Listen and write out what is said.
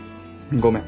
ごめん。